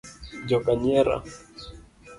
Joka nyiera.